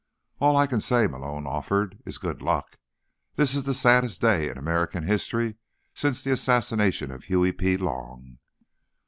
"All I can say," Malone offered, "is good luck. This is the saddest day in American history since the assassination of Huey P. Long."